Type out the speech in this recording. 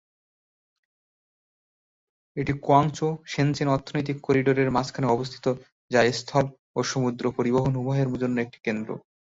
এটি কুয়াংচৌ-শেনচেন অর্থনৈতিক করিডোরের মাঝখানে অবস্থিত, যা স্থল ও সমুদ্র পরিবহন উভয়ের জন্য একটি কেন্দ্র।